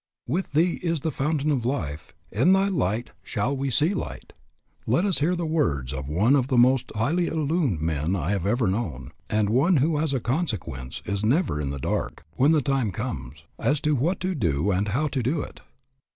"With Thee is the fountain of life; in Thy light shall we see light." Let us hear the words of one of the most highly illumined men I have ever known, and one who as a consequence is never in the dark, when the time comes, as to what to do and how to do it.